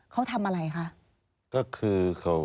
ไปเป็น